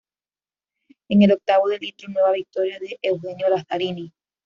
En el octavo de litro, nueva victoria de Eugenio Lazzarini.